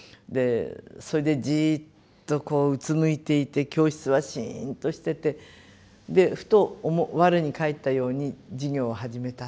それでじっとこううつむいていて教室はシーンとしててでふと我に返ったように授業を始めた。